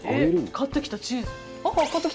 買ってきたチーズ。